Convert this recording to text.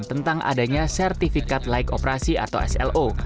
tentang adanya sertifikat layak operasi atau slo